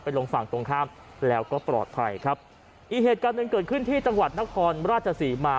ลงฝั่งตรงข้ามแล้วก็ปลอดภัยครับอีกเหตุการณ์หนึ่งเกิดขึ้นที่จังหวัดนครราชศรีมา